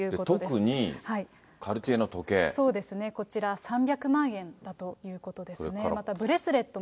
特に、そうですね、こちら、３００万円だということですね。